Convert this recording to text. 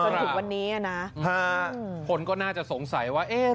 จนถึงวันนี้อ่ะนะคนก็น่าจะสงสัยว่าเอ๊ะ